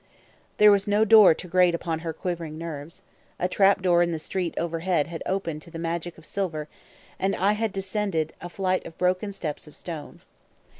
There was no door to grate upon her quivering nerves; a trap door in the street overhead had opened to the magic of silver, and I had descended a flight of broken steps of stone.